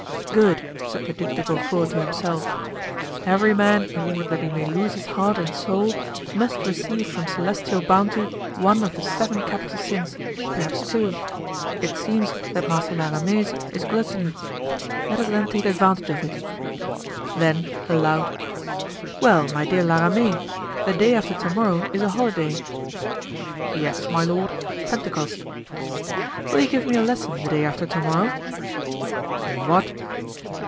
"Good!" said the Duc de Beaufort to himself, "every man in order that he may lose his heart and soul, must receive from celestial bounty one of the seven capital sins, perhaps two; it seems that Master La Ramee's is gluttony. Let us then take advantage of it." Then, aloud: "Well, my dear La Ramee! the day after to morrow is a holiday." "Yes, my lord—Pentecost." "Will you give me a lesson the day after to morrow?" "In what?"